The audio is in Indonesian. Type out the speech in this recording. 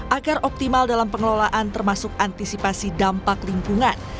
agar optimal dalam pengelolaan termasuk antisipasi dampak lingkungan